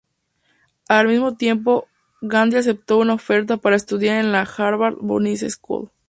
Al mismo tiempo, Gandhi aceptó una oferta para estudiar en la Harvard Business School.